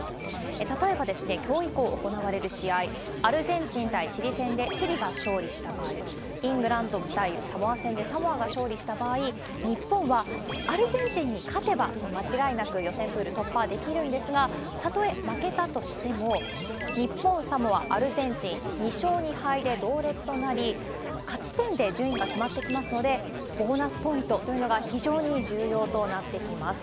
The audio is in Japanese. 例えば、きょう以降行われる試合、アルゼンチン対チリ戦でチリが勝利した場合、イングランド対サモア戦でサモアが勝利した場合、日本はアルゼンチンに勝てば間違いなく予選プール突破できるんですが、たとえ負けたとしても、日本、サモア、アルゼンチン、２勝２敗で同列となり、勝ち点で順位が決まってきますので、ボーナスポイントというのが非常に重要となってきます。